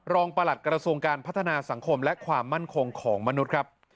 ประหลัดกระทรวงการพัฒนาสังคมและความมั่นคงของมนุษย์ครับ